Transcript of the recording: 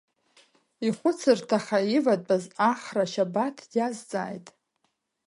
Ихәыцырҭаха иватәаз Ахра Шьабаҭ дизҵааит.